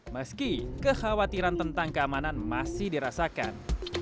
meski kekhawatiran tentang keamanan masih dirasakan